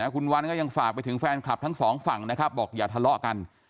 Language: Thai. คุณวันก็ยังฝากไปถึงแฟนคลับทั้งสองฝั่งนะครับบอกอย่าทะเลาะกัน